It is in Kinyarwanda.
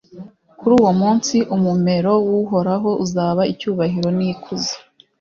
kuri uwo munsi, umumero w'uhoraho uzaba icyubahiro n'ikuzo